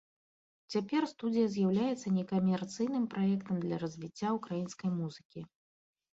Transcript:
Цяпер студыя з'яўляецца некамерцыйным праектам для развіцця ўкраінскай музыкі.